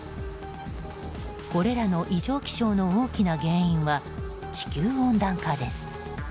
これらの異常気象の大きな原因は地球温暖化です。